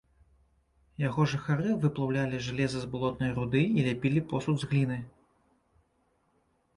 Яго жыхары выплаўлялі жалеза з балотнай руды і ляпілі посуд з гліны.